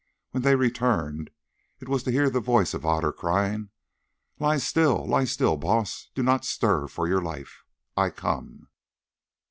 When they returned, it was to hear the voice of Otter crying, "Lie still, lie still, Baas, do not stir for your life; I come."